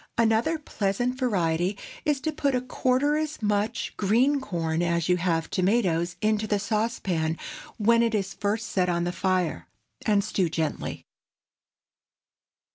Another pleasant variety is to put a quarter as much green corn as you have tomatoes into the saucepan when it is first set on the fire, and stew gently.